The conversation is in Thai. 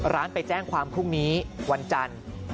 ร้านไปแจ้งความพรุ่งนี้วันจันทร์